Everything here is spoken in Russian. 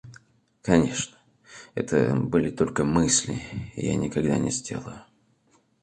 Конечно, это были только мысли, и я никогда не сделаю.